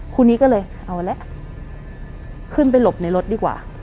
ครูนี้ก็เลยเอาละขึ้นไปหลบในรถดีกว่า